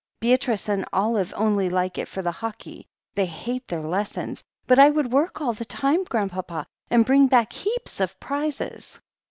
Beatrice and Olive only like it for the hockey, they hate their lessons. But I would work all the time. Grandpapa, and bring back heaps of prizes."